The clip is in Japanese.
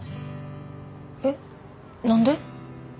えっ何で？